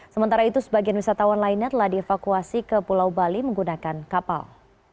sementara itu sebagian wisatawan lainnya telah dievakuasi ke pulau bali menggunakan kapal